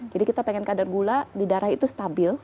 kita pengen kadar gula di darah itu stabil